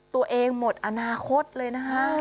ตัวเองหมดอนาคตเลยนะฮะ